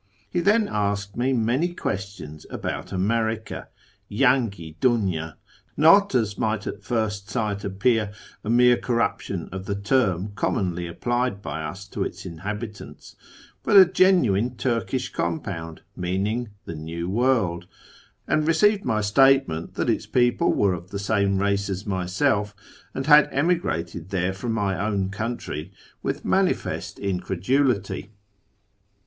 He then asked me many questions about America FROM TEHERAN to ISFAHAN 173 (" Yangi dunyd "— not, as might at first sight appear, a mere corruption of the term commonly applied by us to its inhabitants, but a genuine Turkish compound, meaning " the New World "), and received my statement that its people were of the same race as myself, and had emigrated there from my own country, with manifest incredulity.